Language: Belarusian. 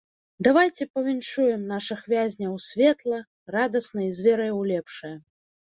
Давайце павіншуем нашых вязняў светла, радасна і з верай у лепшае.